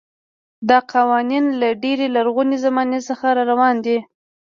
دا قوانین له ډېرې لرغونې زمانې څخه راروان دي.